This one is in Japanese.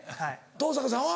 登坂さんは？